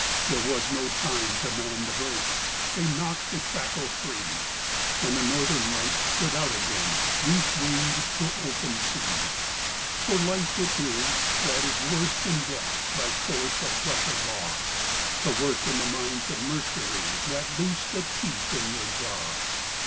There was no time to man the brakes, they knocked the shackle free, And the Northern Light stood out again, goose winged to open sea. (For life it is that is worse than death, by force of Russian law To work in the mines of mercury that loose the teeth in your jaw!)